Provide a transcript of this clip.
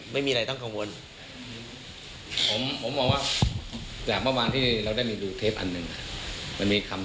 เพียงแต่ว่าเขายังไม่ออกมา